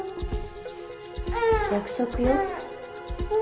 約束よ。